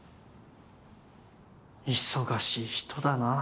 忙しい人だなぁ。